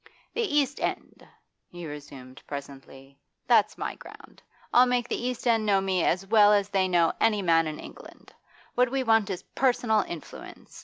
'The East End!' he resumed presently. 'That's my ground. I'll make the East End know me as well as they know any man in England. What we want is personal influence.